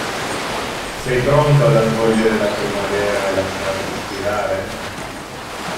Sei pronto ad accogliere la primavera e lasciarti ispirare?